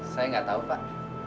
saya nggak tahu pak